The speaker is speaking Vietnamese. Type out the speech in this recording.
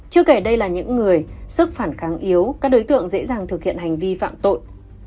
chưa kể đây là những người sức phản kháng yếu các đối tượng dễ dàng thực hiện hành vi phạm tội